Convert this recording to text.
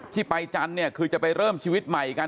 ที่ไปจันทร์เนี่ยคือจะไปเริ่มชีวิตใหม่กัน